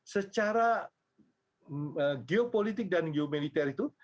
secara geopolitik dan geomiliter itu